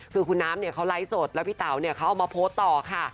คือคุณน้ำเขาไลค์สดแล้วพี่เต่าเขาเอามาโพสต์ต่อค่ะ